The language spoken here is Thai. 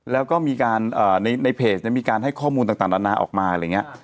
แล้วก็มีการในเพจมีการให้ข้อมูลต่างนานาออกมาอะไรอย่างนี้